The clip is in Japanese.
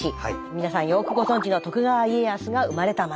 皆さんよくご存じの徳川家康が生まれた町。